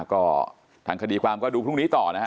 ก็ทางคดีความก็ดูพรุ่งนี้ต่อนะฮะ